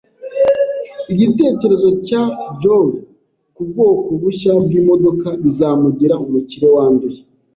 Igitekerezo cya Joe kubwoko bushya bwimodoka bizamugira umukire wanduye